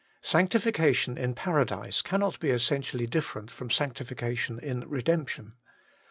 Sanctification in Paradise cannot be essentially different from Sanctification in Redemption.